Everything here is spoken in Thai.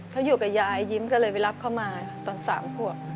เขาอยู่กับยายยิ้มก็เลยไปรับเขามาตอน๓ขวบ